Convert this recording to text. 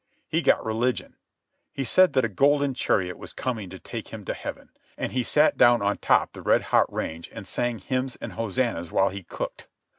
He got religion. He said that a golden chariot was coming to take him to heaven, and he sat down on top the red hot range and sang hymns and hosannahs while he cooked.